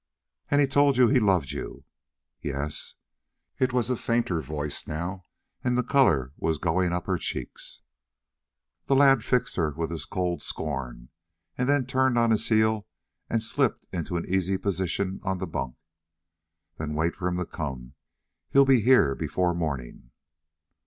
"And he told you he loved you?" "Yes." It was a fainter voice now, and the color was going up her cheeks. The lad fixed her with his cold scorn and then turned on his heel and slipped into an easy position on the bunk. "Then wait for him to come. He'll be here before morning."